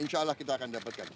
insya allah kita akan dapatkan